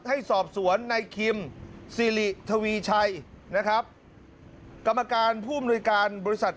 ให้สอบสวนในคิมสิริทวีชัยนะครับกรรมการผู้อำนวยการบริษัท